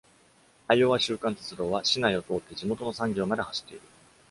アイオワ州間鉄道は、市内を通って地元の産業まで走っている。